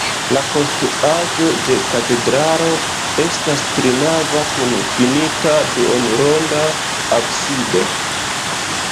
La konstruaĵo de katedralo estas trinava kun finita duonronda absido.